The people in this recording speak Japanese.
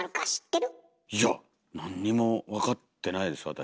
いやなんにも分かってないです私。